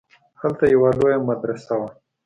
هلته يوه لويه مدرسه وه.